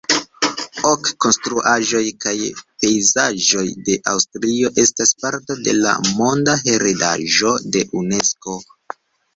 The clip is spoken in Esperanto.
Ok konstruaĵoj kaj pejzaĝoj de Aŭstrio estas parto de la Monda heredaĵo de Unesko.